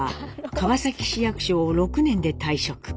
川崎市役所を６年で退職。